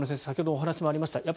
先ほどのお話にもありました